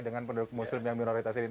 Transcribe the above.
dengan penduduk muslim yang minoritas di sana